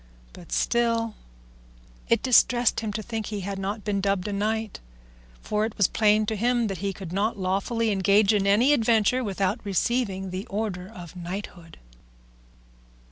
But still it distressed him to think he had not been dubbed a knight, for it was plain to him he could not lawfully engage in any adventure without receiving the order of knighthood.